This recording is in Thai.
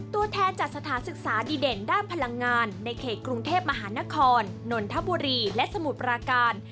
ตัวแทนจัดสถานศึกษาดีเด่นด้านพลังงานในเขตกรุงเทพมหานครนนทบุรีและสมุทรปราการ